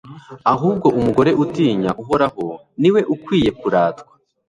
ahubwo umugore utinya uhoraho ni we ukwiye kuratwa